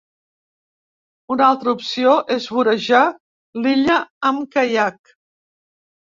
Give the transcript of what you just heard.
Una altra opció és vorejar l’illa amb caiac.